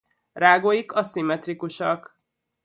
Rágóik aszimmetrikusak.